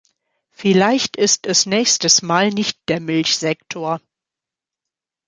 Vielleicht ist es nächstes Mal nicht der Milchsektor.